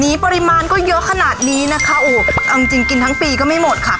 ปริมาณก็เยอะขนาดนี้นะคะโอ้เอาจริงกินทั้งปีก็ไม่หมดค่ะ